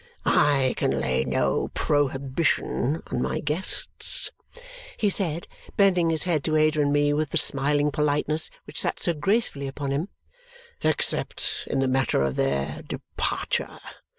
"I can lay no prohibition on my guests," he said, bending his head to Ada and me with the smiling politeness which sat so gracefully upon him, "except in the matter of their departure.